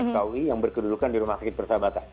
kui yang berkedudukan di rumah sakit persahabatan